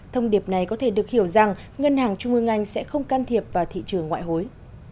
thông điệp này có thể được hiểu rằng ngân hàng trung ương anh sẽ không can thiệp vào thị trường ngoại hối